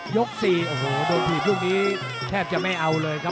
สี่โอ้โหโดนถีบลูกนี้แทบจะไม่เอาเลยครับ